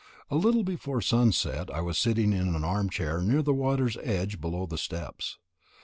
A little before sunset I was sitting in an arm chair near the water's edge below the steps.